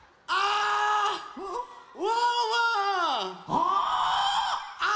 ああ！